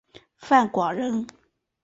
范广人。